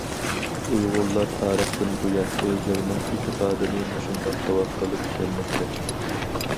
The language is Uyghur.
ئۇيغۇرلار تارىختىن بۇيان ئۆزلىرىنىڭ ئېتىقادىنى مۇشۇنداق داۋام قىلىپ كەلمەكتە.